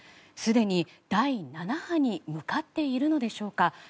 すでに第７波に向かっているのでしょうか。